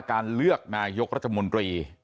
การเลือกนายกรัฐมนตรี